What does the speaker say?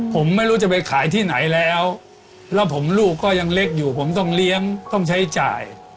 ผมไม่รู้จะไปขายที่ไหนแล้วแล้วผมลูกก็ยังเล็กอยู่ผมต้องเลี้ยงต้องใช้จ่าย